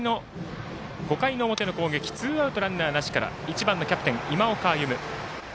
５回の表の攻撃ツーアウト、ランナーなしから１番キャプテン、今岡歩夢。